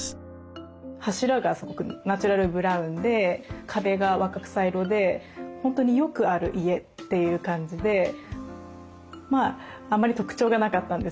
柱がすごくナチュラルブラウンで壁が若草色で本当によくある家という感じであんまり特徴がなかったんですね。